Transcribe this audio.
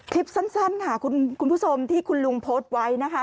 คลิปสั้นค่ะคุณผู้ชมที่คุณลุงโพสต์ไว้นะคะ